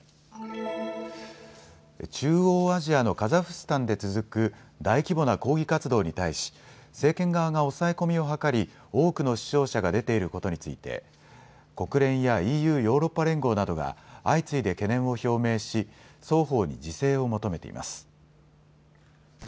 中央アジアのカザフスタンで続く大規模な抗議活動に対し政権側が抑え込みを図り、多くの死傷者が出ていることについて国連やＥＵ・ヨーロッパ連合などが相次いで懸念を表明し双方に自制を求めています。